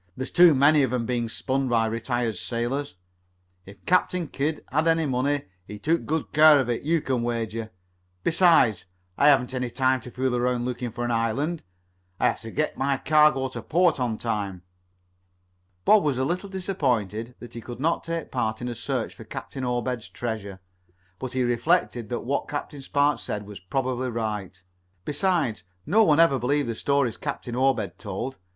There's too many of 'em being spun by retired sailors. If Captain Kidd had any money, he took good care of it, you can wager. Besides, I haven't any time to fool around looking for an island. I have to get my cargo to port on time." Bob was a little disappointed that he could not take part in a search for Captain Obed's treasure, but he reflected that what Captain Spark said was probably right, resides, no one ever believed the stories Captain Obed told.